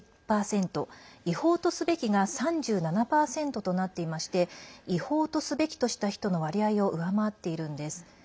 「違法とすべき」が３７％となっていまして「違法とすべき」とした人の割合を上回っているんです。